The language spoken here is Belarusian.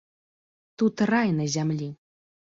Тут рай на зямлі.